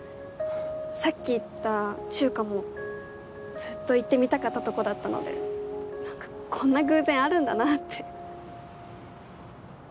さっき行った中華もずっと行ってみたかったとこだったので何かこんな偶然あるんだなって。